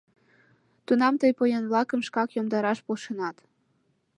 Тунам тый поян-влакым шкак йомдараш полшенат.